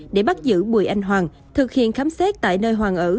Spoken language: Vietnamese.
để bắt giữ bùi anh hoàng thực hiện khám xét tại nơi hoàng ở